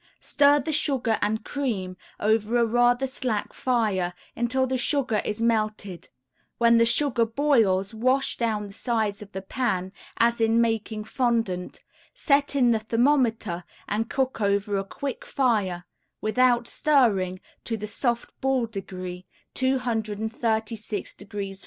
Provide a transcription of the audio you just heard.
Stir the sugar and cream, over a rather slack fire, until the sugar is melted, when the sugar boils wash down the sides of the pan as in making fondant, set in the thermometer and cook over a quick fire, without stirring, to the soft ball degree, 236° F.